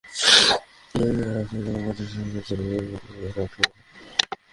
পথচারীরা রাস্তায় জমা পানি ঠেলে চলাচল করলেও যানবাহনগুলো রাস্তায় আটকে পড়ে।